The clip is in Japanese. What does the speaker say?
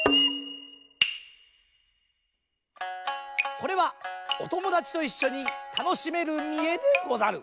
これはおともだちといっしょにたのしめる見得でござる。